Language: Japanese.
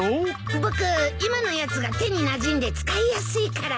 僕今のやつが手になじんで使いやすいから。